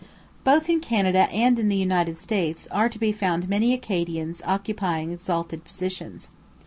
Both in Canada and in the United States are to be found many Acadians occupying exalted positions.